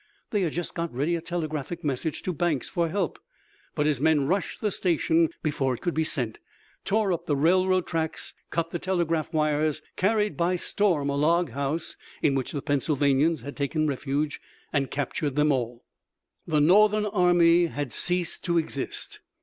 They had just got ready a telegraphic message to Banks for help, but his men rushed the station before it could be sent, tore up the railroad tracks, cut the telegraph wires, carried by storm a log house in which the Pennsylvanians had taken refuge, and captured them all. The Northern army had ceased to exist.